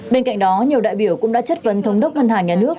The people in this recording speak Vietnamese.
bên cạnh đó nhiều đại biểu cũng đã chất vấn thống đốc ngân hàng nhà nước